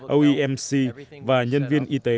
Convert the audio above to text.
oemc và nhân viên y tế